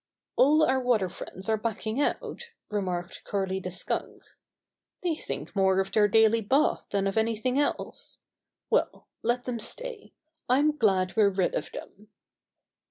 "All our water friends are backing out," re marked Curly the Skunk. "They think more of their daily bath than of anything else. Well, let them stay. I'm glad we're rid of them."